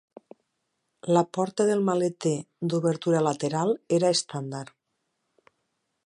La porta del maleter d'obertura lateral era estàndard.